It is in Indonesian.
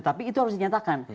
tapi itu harus dinyatakan